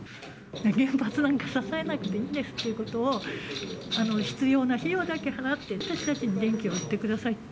原発なんか支えなくていいんですっていうことを、必要な費用だけ払って、私たちに電気を売ってくださいと。